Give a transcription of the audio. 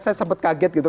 saya sempat kaget gitu